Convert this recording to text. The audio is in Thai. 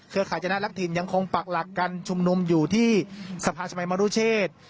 ข่ายจนะรักถิ่นยังคงปักหลักการชุมนุมอยู่ที่สภาสมัยมรุเชษ